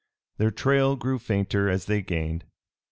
Their trail grew fainter as they gained.